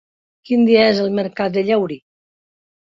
Quin dia és el mercat de Llaurí?